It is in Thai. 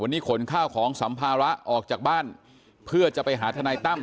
วันนี้ขนข้าวของสัมภาระออกจากบ้านเพื่อจะไปหาทนายตั้ม